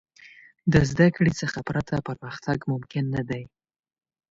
د زدهکړې څخه پرته، پرمختګ ممکن نه دی.